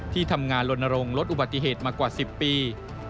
ที่ทำงานลนรงค์ลดอุบัติเหตุมากว่า๑๐ปี